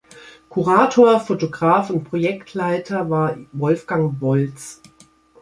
Kurator, Fotograf und Projektleiter war Wolfgang Volz.